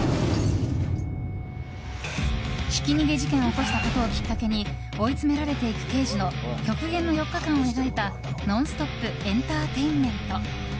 ひき逃げ事件を起こしたことをきっかけに追い詰められていく刑事の極限の４日間を描いたノンストップエンターテインメント。